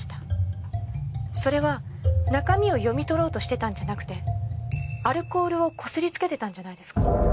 それは中身を読み取ろうとしてたんじゃなくてアルコールをこすりつけてたんじゃないですか？